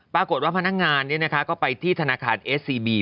ปรากฏว่าพนักงานเนี้ยนะคะก็ไปที่ธนาคารเอสซีบี